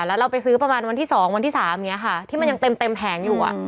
แล้วเราไปซื้อประมาณวันที่๒วันที่๓อย่างนี้ค่ะที่มันยังเต็มแผงอยู่